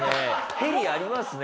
ヘリありますね